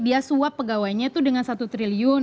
dia suap pegawainya itu dengan satu triliun